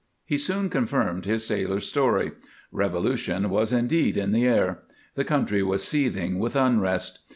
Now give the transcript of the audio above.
He soon confirmed his sailor's story; revolution was indeed in the air; the country was seething with unrest.